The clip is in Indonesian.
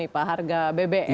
nih pak harga bbm